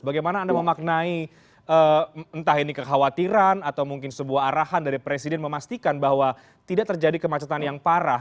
bagaimana anda memaknai entah ini kekhawatiran atau mungkin sebuah arahan dari presiden memastikan bahwa tidak terjadi kemacetan yang parah